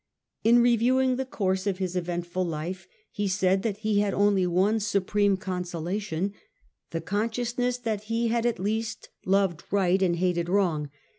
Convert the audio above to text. In reviewing the i^yssf 1066 course of his eventful life he said that he had only one supreme consolation — the consciousness that he had at least loved right and hated wrong.